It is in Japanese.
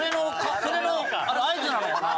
それの合図なのかな。